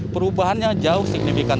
perubahannya jauh signifikan